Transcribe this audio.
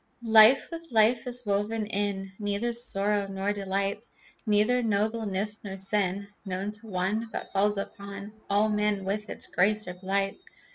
Life with life is woven in. Neither sorrow nor delight, Neither nobleness nor sin, Known to one But falls upon All men with its grace or blight.